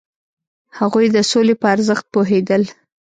هغوی د سولې په ارزښت پوهیدل.